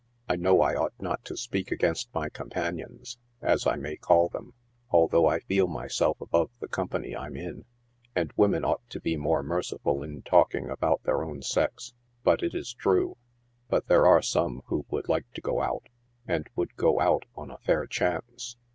I know I ought not to speak against my companions, as I may call them — although I feel myself above the company I'm in, and women ought to be more merciful in talking about their own sex ; but it is true. But there are some who would like to go out, and would go out on a fair chance.